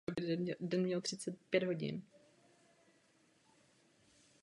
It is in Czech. Okrajově se zaměřuje také na beletrii.